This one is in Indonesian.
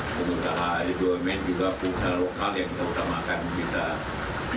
senang berjalan semuanya ini kan proses tiga bulan dua bulan itu ambil sudah pakai untuk persiapan